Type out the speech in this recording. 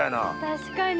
確かに。